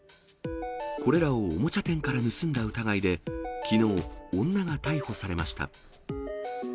これらをおもちゃ店から盗んだ疑いで、きのう、女が逮捕されました。